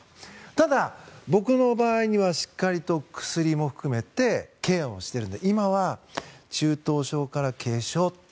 ただ、僕の場合は薬も含めしっかりとケアをしているので今は中等症から軽症と。